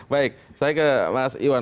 baik saya ke mas iwan